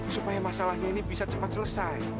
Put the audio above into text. supaya masalahnya ini bisa cepat selesai